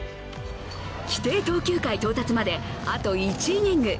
規定投球回到達まで、あと１イニング。